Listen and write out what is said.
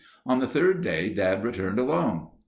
On the third day Dad returned alone.